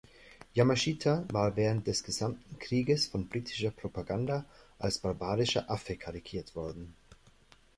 Yamashita war während des gesamten Krieges von britischer Propaganda als „barbarischer Affe“ karikiert worden.